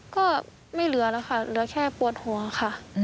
ก็ไม่เหลือแล้วค่ะเหลือแค่ปวดหัวค่ะ